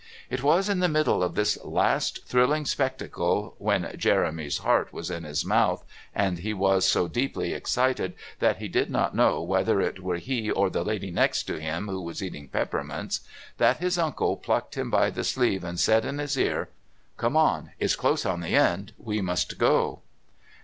It was in the middle of this last thrilling spectacle, when Jeremy's heart was in his mouth and he was so deeply excited that he did not know whether it were he or the lady next to him who was eating peppermints, that his uncle plucked him by the sleeve and said in his ear: "Come on. It's close on the end. We must go."